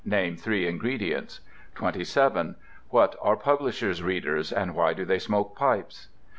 Name three ingredients. 27. What are "publisher's readers," and why do they smoke pipes?